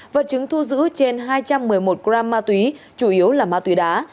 vật chứng thu giữ trên hai trăm một mươi một gram ma túy chủ yếu là ma túy đá